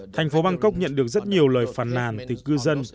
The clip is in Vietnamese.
thành phố bangkok nhận được rất nhiều lời phản nàn từ cư dân